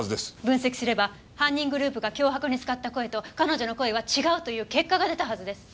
分析すれば犯人グループが脅迫に使った声と彼女の声は違うという結果が出たはずです！